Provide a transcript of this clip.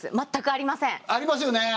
ありますよね？